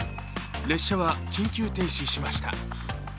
列車は緊急停止しました。